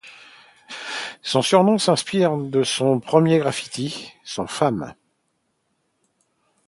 Son surnom s'inspire de son premier graffiti, soit Fame.